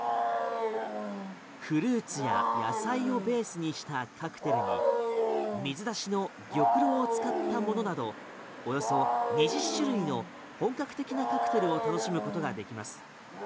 フルーツや野菜をベースにしたカクテルに水出しの玉露を使ったものなどおよそ２０種類の本格的なカクテルを楽しむことができます。